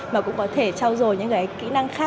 mà cũng có thể trao dồi những cái kỹ năng khác